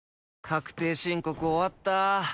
確定申告終わった。